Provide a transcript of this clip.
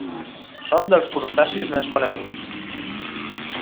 Són dels crustacis més coneguts.